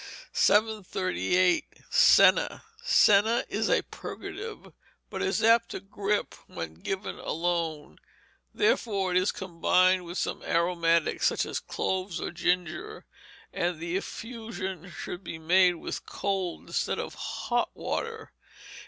738. Senna Senna is a purgative, but is apt to gripe when given alone; therefore it is combined with some aromatic, such as cloves or ginger, and the infusion should be made with cold instead of hot water.